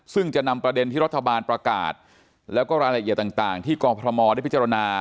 ซึ่งจะนำประเด็นที่รัฐบาลประกาศแล้วก็รายละเอียดต่างที่กองพมได้พิจารณา